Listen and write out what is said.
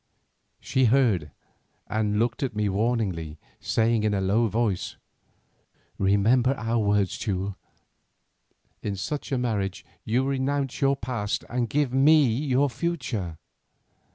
She heard and looked at me warningly, saying in a low voice: "Remember our words, Teule. In such a marriage you renounce your past and give me your future."